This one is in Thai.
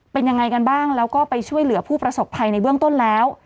เป็นยังไงกันบ้างแล้วก็ไปช่วยเหลือผู้ประสบภัยในเบื้องต้นแล้ว